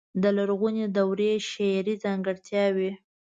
د لرغونې دورې شعري ځانګړتياوې.